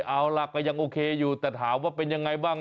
เอาล่ะก็ยังโอเคอยู่แต่ถามว่าเป็นยังไงบ้าง